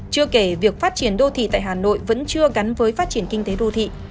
chưa kể việc phát triển đô thị tại hà nội vẫn chưa gắn với phát triển kinh tế đô thị